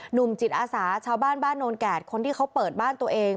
หนุ่มจิตอาสาชาวบ้านบ้านโนนแก่คนที่เขาเปิดบ้านตัวเอง